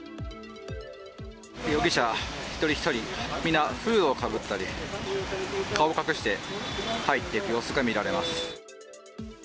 容疑者一人一人、皆、フードをかぶったり、顔を隠して入っていく様子が見られます。